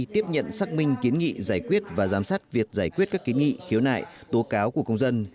tiếp nhận xác minh kiến nghị giải quyết và giám sát việc giải quyết các kiến nghị khiếu nại tố cáo của công dân